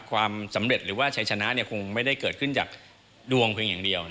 ความสำเร็จหรือว่าชัยชนะคงไม่ได้เกิดขึ้นจากดวงเพียงอย่างเดียว